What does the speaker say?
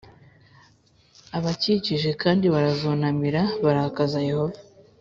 abakikije c kandi barazunamira barakaza Yehova